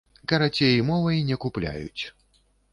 Карацей, мовай не купляюць.